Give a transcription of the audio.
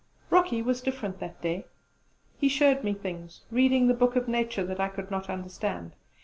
Rocky was different that day. He showed me things; reading the open book of nature that I could not understand.